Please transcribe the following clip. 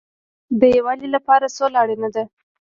د یووالي لپاره سوله اړین ده